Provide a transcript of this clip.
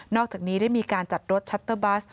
อกจากนี้ได้มีการจัดรถชัตเตอร์บัส